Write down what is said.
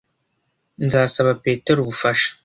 Nzasaba Petero ubufasha